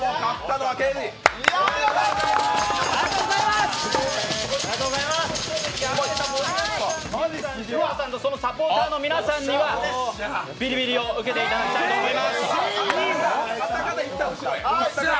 では盛山さん、ショーゴさんきむさんとそのサポーターの皆さんにはビリビリを受けていただきたいと思います。